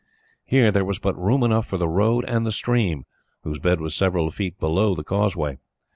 Here there was but room enough for the road and the stream, whose bed was several feet below the causeway.